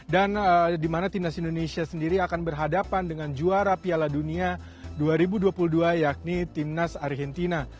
dan di mana timnas indonesia sendiri akan berhadapan dengan juara piala dunia dua ribu dua puluh dua yakni timnas argentina